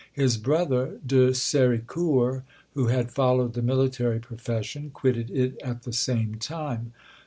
His brother, De Sericourt, who had followed the military profession, quitted it at the same time.